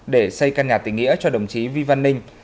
để xây căn nhà tình nghĩa cho đồng chí vi văn ninh